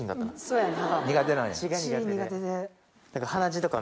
そうやね。